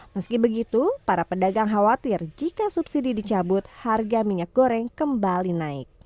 meski begitu para pedagang khawatir jika subsidi dicabut harga minyak goreng kembali naik